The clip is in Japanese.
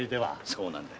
そうなんだ。